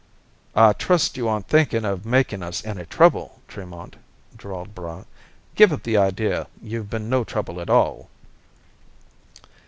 "I trust you aren't thinking of making us any trouble, Tremont," drawled Braigh. "Give up the idea; you've been no trouble at all."